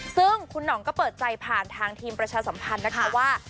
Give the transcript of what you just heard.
ซึ่งคุณหน่องก็เปิดใจผ่านทางทีมประชาสัมพันธ์นะคะว่า